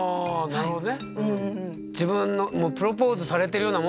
なるほど。